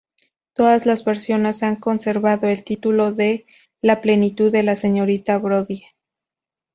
Todas las versiones han conservado el título de "La plenitud de la señorita Brodie".